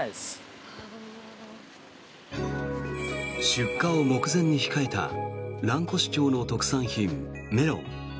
出荷を目前に控えた蘭越町の特産品、メロン。